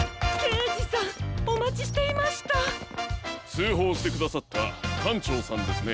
つうほうしてくださったかんちょうさんですね？